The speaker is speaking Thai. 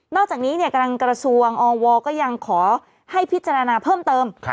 อกจากนี้กำลังกระทรวงอวก็ยังขอให้พิจารณาเพิ่มเติม